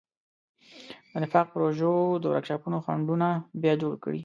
د نفاق پروژو د ورکشاپونو خنډونه بیا جوړ کړي.